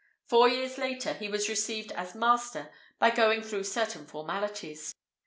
Four years after, he was received as master by going through certain formalities.